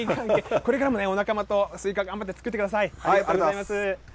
これからもお仲間とスイカ、頑張って作ってくだありがとうございます。